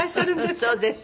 そうです。